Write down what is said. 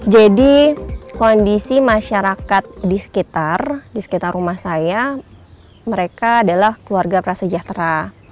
jadi kondisi masyarakat di sekitar rumah saya mereka adalah keluarga prasejahtera